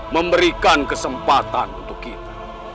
memberikan kesempatan untuk kita